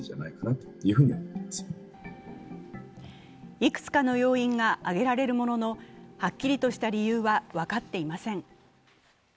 いくつかの要因が挙げられるものの、はっきりとした理由は分かっていません。